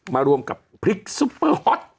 มารวมกับพริกซุปเปอร์ฮอต